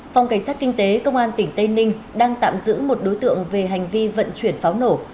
phòng cảnh sát kinh tế công an tỉnh tây ninh đang tạm giữ một đối tượng về hành vi vận chuyển pháo nổ